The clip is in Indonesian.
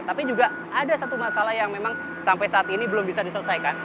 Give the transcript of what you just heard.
tapi juga ada satu masalah yang memang sampai saat ini belum bisa diselesaikan